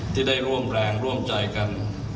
ที่ได้ร่วมแรงร่วมใจกัน